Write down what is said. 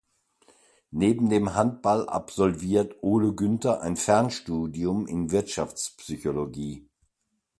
Neben dem Handball absolviert Ole Günther ein Fernstudium in Wirtschaftspsychologie.